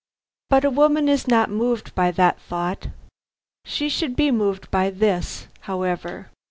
But a woman is not moved by that thought. She should be moved by this, however.